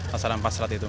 pasaran pasrat itu